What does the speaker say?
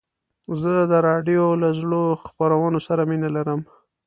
زه د راډیو له زړو خپرونو سره مینه لرم.